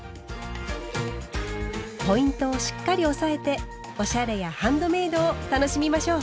ポイントをしっかり押さえておしゃれやハンドメイドを楽しみましょう。